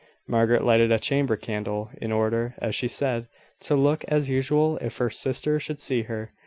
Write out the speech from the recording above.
Margaret lighted a chamber candle, in order, as she said, to look as usual if her sister should see her.